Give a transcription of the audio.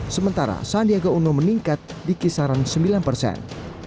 sementara sandiaga uno meningkat di kisaran sembilan persen